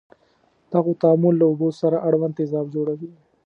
د هغو تعامل له اوبو سره اړوند تیزاب جوړوي.